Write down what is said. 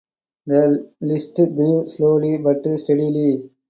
The list grew slowly but steadily.